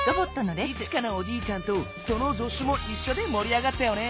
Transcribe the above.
イチカのおじいちゃんとその助手もいっしょでもり上がったよね。